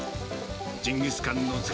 ジンギスカンのつけ